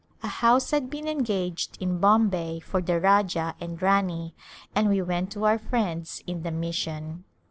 A house had been engaged in Bombay for the Rajah and Rani, and we went to our friends in the mission.